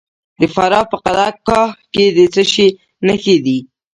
د فراه په قلعه کاه کې د څه شي نښې دي؟